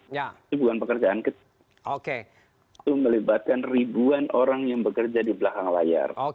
itu bukan pekerjaan kecil itu melibatkan ribuan orang yang bekerja di belakang layar